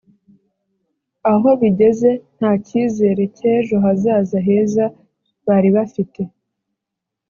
aho bigeze nta cyizere cy’ejo hazaza heza bari bafite